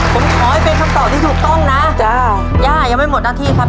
ผมขอให้เป็นคำตอบที่ถูกต้องนะจ้าย่ายังไม่หมดหน้าที่ครับ